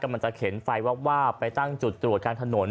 มันจะเข็นไฟวาบไปตั้งจุดตรวจกลางถนน